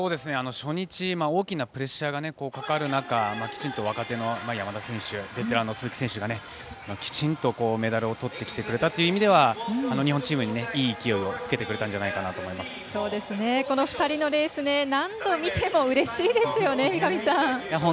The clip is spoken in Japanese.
初日大きなプレッシャーがかかる中きちんと若手の山田選手ベテランの鈴木選手がきちんとメダルをとってきてくれたという意味では日本チームにいい勢いをつけてくれたんじゃこの２人のレース何度見てもうれしいですね。